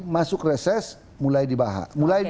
masuk reses mulai dibahas